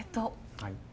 はい。